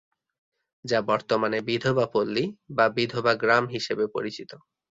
যা বর্তমানে "বিধবা পল্লী" বা "বিধবা গ্রাম" হিসেবে পরিচিত।